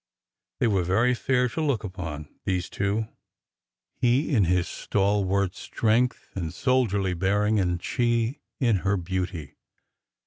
They were very fair to look upon— these two— he in his stalwart strength and soldierly bearing, and she in her beauty.